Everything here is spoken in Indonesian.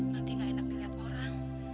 nanti ga enak liat orang